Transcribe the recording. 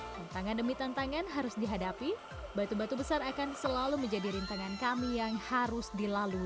tentangan demi tantangan harus dihadapi batu batu besar akan selalu menjadi rintangan kami yang harus dilalui